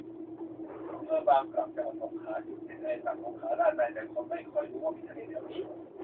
อำเภอบางกล่ำ จังหวัดสงขลา อยู่ติดทะเลสาบสงขลาด้านใน แต่คนไม่ค่อยรู้ว่ามีทะเลแถวนี้